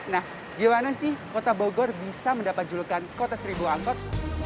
nah gimana sih kota bogor bisa mendapat julukan kota seribu angkot